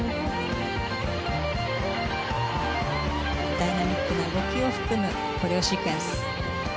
ダイナミックな動きを含むコレオシークエンス。